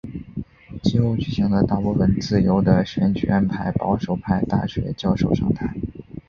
其后举行的大部分自由的选举安排保守派大学教授上台。